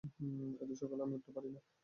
এতো সকালে আমি উঠতে পারি না।